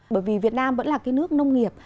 bởi vì việt nam vẫn là cái nước nông nghiệp